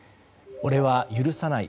俺は許さない。